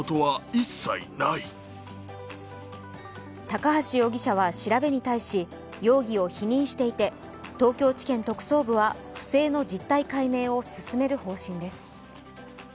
高橋容疑者は調べに対し、容疑を否認していて東京地検特捜部は不正の実態解明を進める方針です。